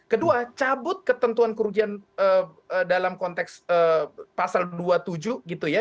kedua cabut ketentuan kerugian dalam konteks pasal dua puluh tujuh gitu ya